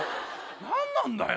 何なんだよ